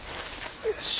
よし。